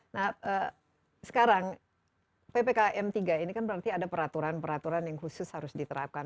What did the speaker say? nah sekarang ppkm tiga ini kan berarti ada peraturan peraturan yang khusus harus diterapkan